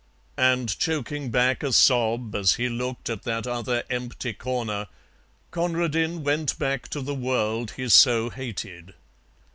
And choking back a sob as he looked at that other empty corner, Conradin went back to the world he so hated.